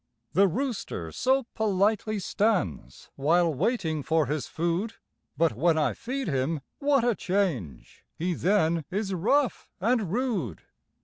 The rooster so politely stands While waiting for his food, But when I feed him, what a change! He then is rough and rude.